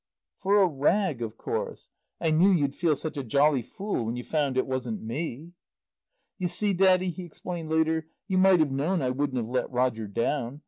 "For a rag, of course. I knew you'd feel such a jolly fool when you found it wasn't me." "You see, Daddy," he explained later, "you might have known I wouldn't have let Roger down.